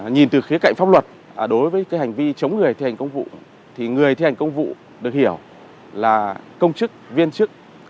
nhìn từ khía cạnh pháp luật đối với cái hành vi chống người thi hành công vụ thì người thi hành công vụ được hiểu là công chức viên chức cán bộ chiến sĩ